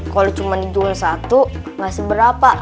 kalau cuma di jual satu gak seberapa